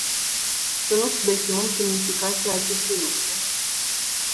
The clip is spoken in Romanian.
Să nu subestimăm semnificația acestui lucru.